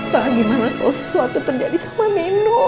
pak gimana kalau sesuatu terjadi sama meno